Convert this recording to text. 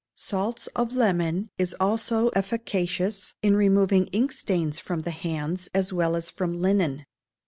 Salts of lemon is also efficacious in removing ink stains from the hands as well as from linen.